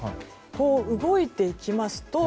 こう動いていきますと。